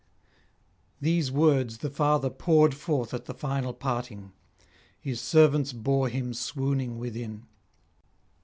These words the father poured forth at the final parting; his servants bore him swooning within.